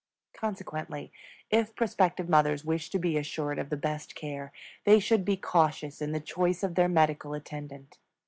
Consequently, if prospective mothers wish to be assured of the best care, they should be cautious in the choice of their medical attendant.